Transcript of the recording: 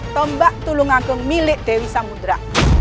tombak tulung aku milik dewi samudera